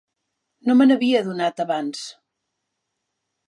No me n'havia adonat abans.